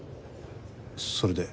それで？